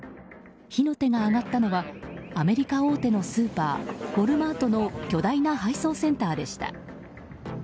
火の手が上がったのはアメリカ大手のスーパーウォルマートの巨大な配送センターでした。